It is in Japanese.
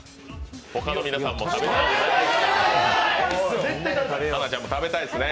他の皆さんも食べたいですよね？